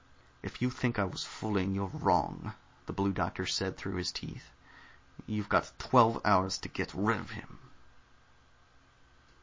"If you think I was fooling, you're wrong," the Blue Doctor said through his teeth. "You've got twelve hours to get rid of him."